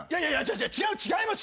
違う違います